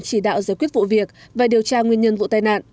chỉ đạo giải quyết vụ việc và điều tra nguyên nhân vụ tai nạn